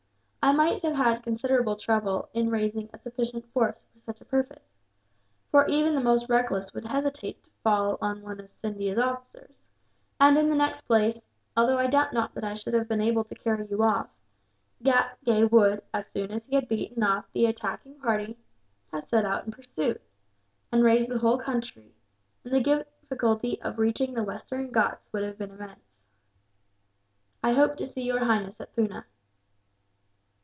I might have had considerable trouble in raising a sufficient force for such a purpose, for even the most reckless would hesitate to fall on one of Scindia's officers; and in the next place, although I doubt not that I should have been able to carry you off, Ghatgay would, as soon as he had beaten off the attacking party, have set out in pursuit, and raised the whole country, and the difficulty of reaching the Western Ghauts would have been immense. "I hope to see Your Highness at Poona."